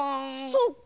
そっか。